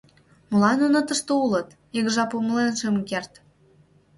Молан нуно тыште улыт, ик жап умылен шым керт.